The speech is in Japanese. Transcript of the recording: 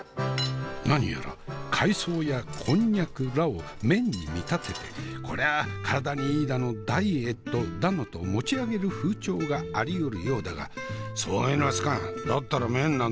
何やら海藻やこんにゃくらを麺に見立ててこりゃ体にいいだのダイエットだのと持ち上げる風潮がありよるようだが「そういうのは好かん！